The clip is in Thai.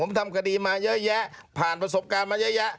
ผมทำคดีมาเยอะแยะผ่านประสบการณ์มาเยอะแยะ